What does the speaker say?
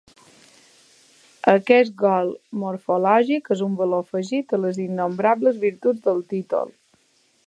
Aquest gol morfològic és un valor afegit a les innombrables virtuts del títol.